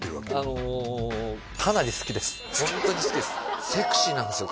あのホントに好きですセクシーなんですよ